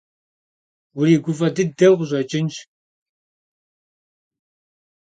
Vuriguf'e dıdeu khış'eç'ınş.